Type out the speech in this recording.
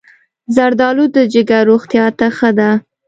زردالو د جگر روغتیا ته ښه ده.